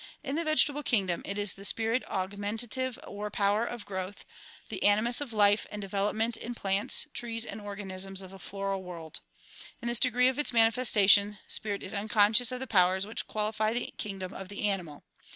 In the vegetable kingdom it is the spirit augmenta tive or power of growth, the animus of life and development in plants, trees and organisms of the floral world. In this degree of its manifestation, spirit is unconscious of the powers which qualify the kingdom of the animal.